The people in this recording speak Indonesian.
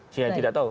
saya tidak tahu